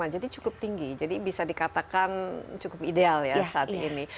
satu ratus enam puluh lima jadi cukup tinggi jadi bisa dikatakan cukup ideal ya saat ini